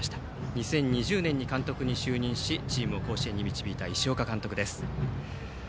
２０２０年に監督に就任しチームを甲子園に導いた石岡監督です。